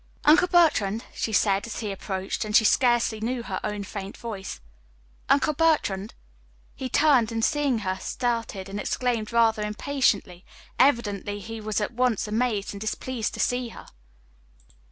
"Uncle Bertrand!" she said, as he approached, and she scarcely knew her own faint voice. "Uncle Bertrand " He turned, and seeing her, started, and exclaimed, rather impatiently evidently he was at once amazed and displeased to see her.